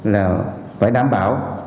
là phải đảm bảo